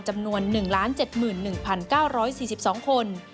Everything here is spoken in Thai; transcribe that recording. จำนวน๑๗๑๙๔๒คน